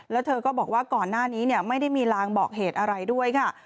แล้วเธอก็บอกว่าก่อนหน้านี้ไม่ได้มีลางบอกเหตุอะไรด้วยค่ะ